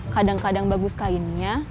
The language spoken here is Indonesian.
kadang kadang bagus kainnya